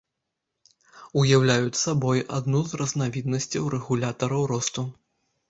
Уяўляюць сабой адну з разнавіднасцяў рэгулятараў росту.